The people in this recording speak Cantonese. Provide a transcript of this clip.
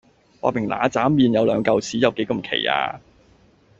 話明嗱喳麵有兩嚿屎有幾咁奇呀？